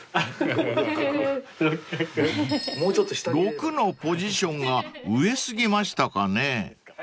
［６のポジションが上過ぎましたかね］